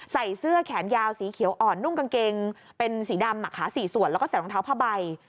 ใส่เสื้อแขนยาวสีเขียวอ่อนนุ่งกางเกงเป็นสีดำขา๔ส่วนแล้วก็ใส่รองเท้าผ้าใบ